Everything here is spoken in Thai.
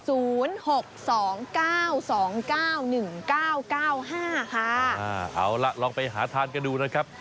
ศูนย์หกสองเก้าสองเก้าหนึ่งเก้าเก้าห้าค่ะเอาล่ะลองไปหาทานกันดูนะครับ